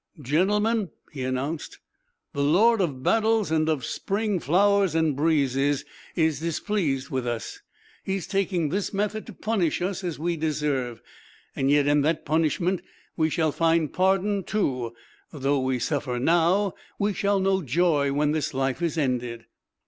"Gentlemen," he announced, "the lord of battles and of spring flowers and breezes is displeased with us. He is taking this method to punish us as we deserve. Yet in that punishment we shall find pardon, too. Though we suffer now, we shall know joy when this life is ended."